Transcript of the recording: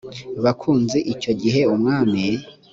bukunzi icyo gihe umwami